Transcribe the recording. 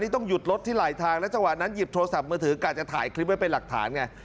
ต้องหยุดรถที่ไหลทางแล้วจังหวะนั้นหยิบโทรศัพท์มือถือกะจะถ่ายคลิปไว้เป็นหลักฐานไง